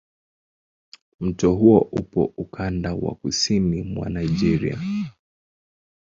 Mto huo upo ukanda wa kusini mwa Nigeria.